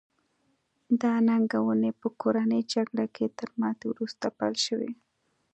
دا ننګونې په کورنۍ جګړه کې تر ماتې وروسته پیل شوې.